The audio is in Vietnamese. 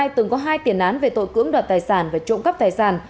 từng có hai tiền án về tội cưỡng đoạt tài sản và trộm cắp tài sản